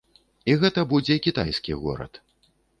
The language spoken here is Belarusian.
І гэта будзе кітайскі горад.